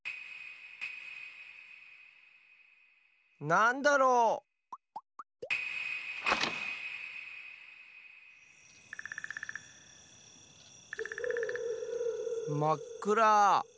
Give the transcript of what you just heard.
なんだろう？まっくら。